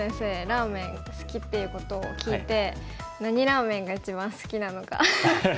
ラーメン好きっていうことを聞いて何ラーメンが一番好きなのか。